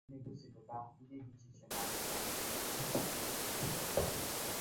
na-ekwupụta ma na-egosipụtakwa ihe dị iche iche n'ala Igbo